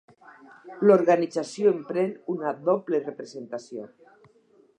L'organització emprèn una doble representació.